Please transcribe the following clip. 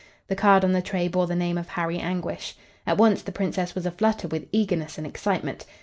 The card on the tray bore the name of Harry Anguish. At once the Princess was aflutter with eagerness and excitement.